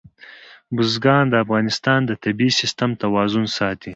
بزګان د افغانستان د طبعي سیسټم توازن ساتي.